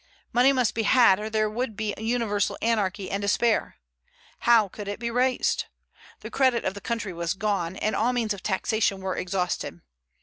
Money must be had, or there would be universal anarchy and despair. How could it be raised? The credit of the country was gone, and all means of taxation were exhausted.